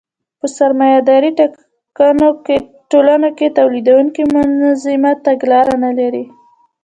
په سرمایه داري ټولنو کې تولیدونکي منظمه تګلاره نلري